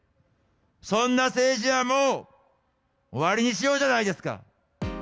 そんな政治はもう終わりにしようじゃないですか。